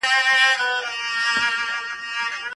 ایا زرین انځور داستاني اثار څېړلي دي؟